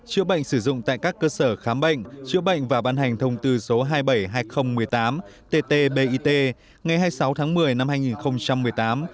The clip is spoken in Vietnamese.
chữa bệnh sử dụng tại các cơ sở khám bệnh chữa bệnh và ban hành thông tư số hai mươi bảy hai nghìn một mươi tám tt bit ngày hai mươi sáu tháng một mươi năm hai nghìn một mươi tám